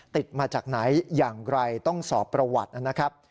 ติดมาจากไหนอย่างไรต้องสอบประวัตินะครับ